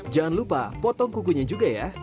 jangan lupa potong kukunya juga ya